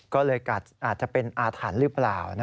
ก็เลยอาจจะเป็นอาถรรพ์หรือเปล่า